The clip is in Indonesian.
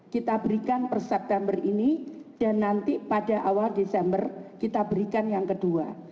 kita berikan per september ini dan nanti pada awal desember kita berikan yang kedua